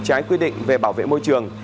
trái quy định về bảo vệ môi trường